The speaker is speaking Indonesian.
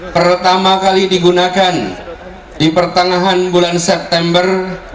pertama kali digunakan di pertengahan bulan september seribu sembilan ratus empat puluh lima